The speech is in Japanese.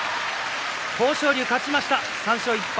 豊昇龍、勝ちました、３勝１敗。